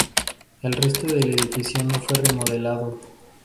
El resto del edificio no fue remodelado.